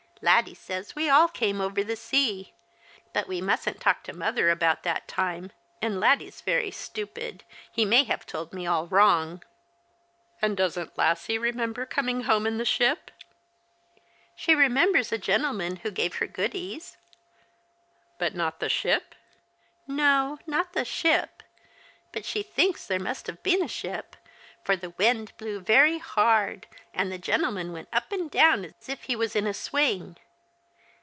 Laddie says we all came over the sea — but we mustn't talk to mother about that time, and Laddie's very stuj)id — he may have told me all wrong." "And doesn't Lassie remember coming home in the ship?" " She remembers a gentleman who gave her goodies." '• But not the ship ?"" No, not the ship ; but she thinks there must have been a ship, for the wind blew very hard, and the gentleman went up and down as if he was in a swing.